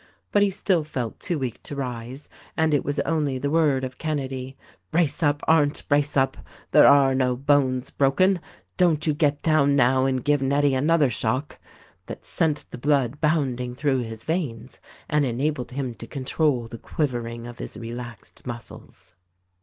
But he still felt too weak to rise, and it was only the word of Kenedy : "Brace up, Arndt ! brace up ! There are no bones broken. Don't you get down now and give Nettie another shock," that sent the blood bounding through his 169 170 THE RECORDING ANGEL veins and enabled him to control the quivering of his relaxed muscles.